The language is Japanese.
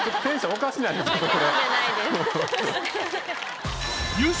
おかしくないです。